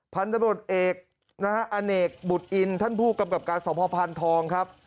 พันธุ์บริษัทเอกอเนกบุติอินท่านผู้กำกับการสมภพพันธ์ทองครับ